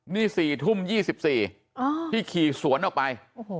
นี่๔ทุ่ม๒๔ที่ขี่สวนออกไป